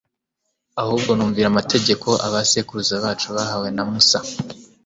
ahubwo numvira amategeko abasekuruza bacu bahawe na musa